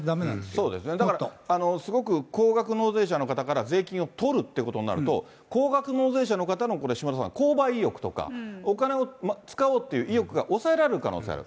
そうですね、だから、すごく高額納税者の方から税金を取るということになると、高額納税者の方の島田さん、購買意欲とか、お金を使おうという意欲が抑えられる可能性ある。